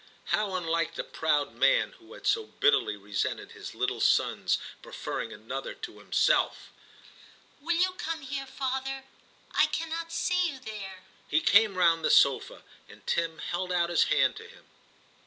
How unlike the proud man who had so bitterly resented his little son's preferring another to himself !' Will you come here, father "i I cannot see you there.' He came round the sofa, and Tim held out his hand to him.